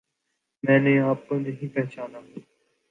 میں نے آپ کو نہیں پہچانا